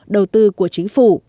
đầu tư của chính phủ